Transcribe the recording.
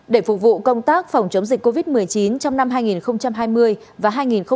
để phục vụ công tác phòng chống dịch covid một mươi chín trong năm hai nghìn hai mươi và hai nghìn hai mươi một